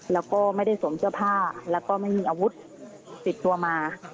แล้วก็ไม่ได้สวมเสื้อผ้าแล้วก็ไม่มีอาวุธติดตัวมา